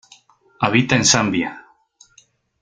Habita en Zambia.